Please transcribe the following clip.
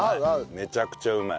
めちゃくちゃうまい。